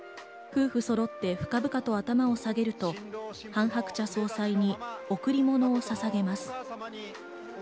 夫婦そろって深々と頭を下げるとハン・ハクチャ総裁に贈り物をささげます。